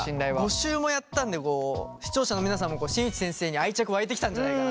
５週もやったので視聴者の皆さんも新内先生に愛着湧いてきたんじゃないかなと。